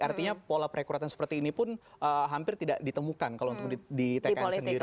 artinya pola perekrutan seperti ini pun hampir tidak ditemukan kalau untuk di tkn sendiri